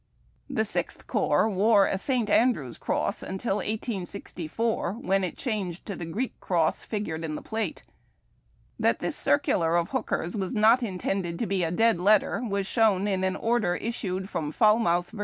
The Sixth Corps woi'e a St. An drew's cross till 1864, when it changed to the Greek cross figured in the plate. That this circular of Hooker's was not intended to be a dead letter was shown in an cn der issued from Fal mouth, Va.